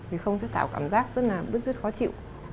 thì không sẽ tạo cảm giác rất là bứt rứt khó chịu